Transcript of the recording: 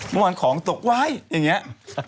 เมื่อวานของตกไว้อย่างนี้